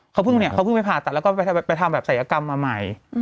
เค้าเพิ่งไหนนี่เค้าคือไปผ่าตัดเล่าก็ไปทำแบบศัฐรยกรรมมาใหม่